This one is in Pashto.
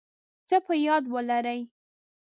څه په یاد ولرئ